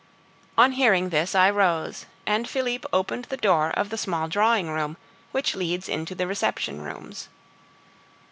On hearing this I rose, and Philippe opened the door of the small drawing room which leads into the reception rooms.